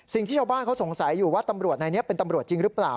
สิ่งที่ชาวบ้านเขาสงสัยอยู่ว่าตำรวจในนี้เป็นตำรวจจริงหรือเปล่า